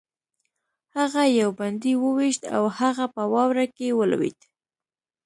هغه یو بندي وویشت او هغه په واوره کې ولوېد